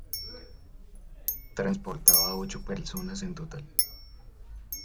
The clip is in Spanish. Transportaba ocho personas en total.